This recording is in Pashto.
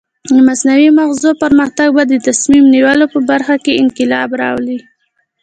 د مصنوعي مغزو پرمختګ به د تصمیم نیولو په برخه کې انقلاب راولي.